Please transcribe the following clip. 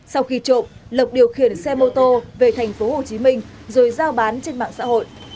sau khi trộm lộc điều khiển xe mô tô về thành phố hồ chí minh rồi giao bán trên mạng xã hội